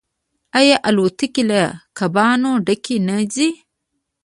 آیا الوتکې له کبانو ډکې نه ځي؟